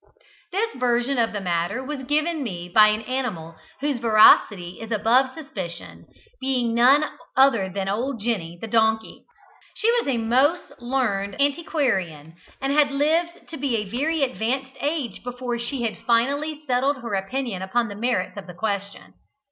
This version of the matter was given me by an animal whose veracity is above suspicion, being none other than old Jenny, the donkey. She was a most learned antiquarian, and had lived to a very advanced age before she had finally settled her opinion upon the merits of the question.